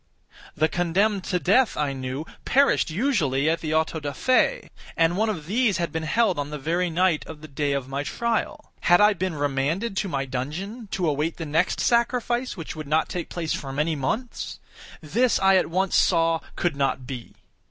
The condemned to death, I knew, perished usually at the autos da fe, and one of these had been held on the very night of the day of my trial. Had I been remanded to my dungeon, to await the next sacrifice, which would not take place for many months? This I at once saw could not be.